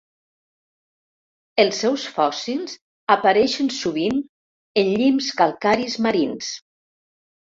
Els seus fòssils apareixen sovint en llims calcaris marins.